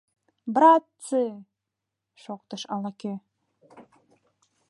— Братцы! — шоктыш ала-кӧ.